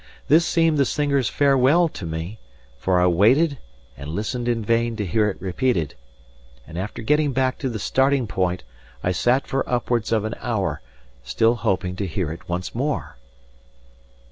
This seemed the singer's farewell to me, for I waited and listened in vain to hear it repeated; and after getting back to the starting point I sat for upwards of an hour, still hoping to hear it once more!